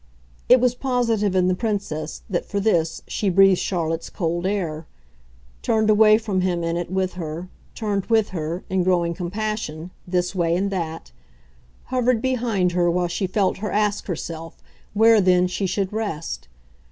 It was positive in the Princess that, for this, she breathed Charlotte's cold air turned away from him in it with her, turned with her, in growing compassion, this way and that, hovered behind her while she felt her ask herself where then she should rest.